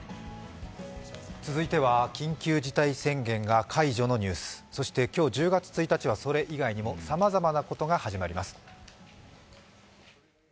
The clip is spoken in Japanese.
続いては緊急事態宣言が解除のニュースそして今日１０月１日はそれ以外にもさまざまなことが始まります。